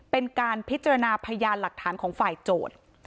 เป็นการพิจารณาพยานหลักฐานของฝ่ายโจทย์